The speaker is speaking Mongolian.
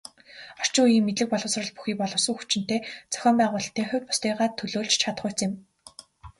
Орчин үеийн мэдлэг боловсрол бүхий боловсон хүчинтэй, зохион байгуулалтын хувьд бусдыгаа төлөөлж чадахуйц юм.